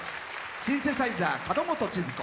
シンセサイザー、角本ちづ子。